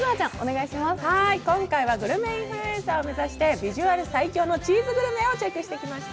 今回はグルメ・インフルエンサー目指してビジュアル最強のチーズグルメをチェックしてきました。